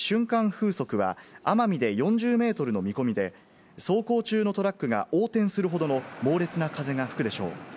風速は、奄美で４０ｍの見込みで、走行中のトラックが横転するほどの猛烈な風が吹くでしょう。